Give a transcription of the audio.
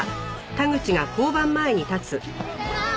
おはようございます！